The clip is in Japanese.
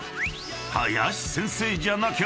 ［林先生じゃなきゃ無理！］